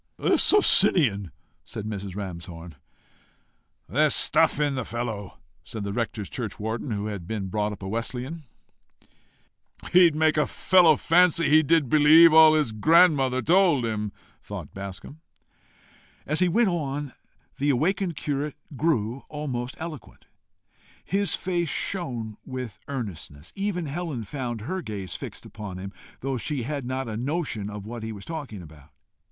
"A Socinian!" said Mrs. Ramshorn. "There's stuff in the fellow!" said the rector's churchwarden, who had been brought up a Wesleyan. "He'd make a fellow fancy he did believe all his grandmother told him!" thought Bascombe. As he went on, the awakened curate grew almost eloquent. His face shone with earnestness. Even Helen found her gaze fixed upon him, though she had not a notion what he was talking about.